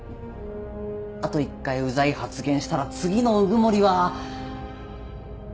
あと１回ウザい発言したら次の鵜久森は。